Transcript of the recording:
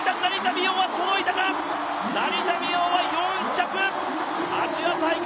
成田実生は４着、アジア大会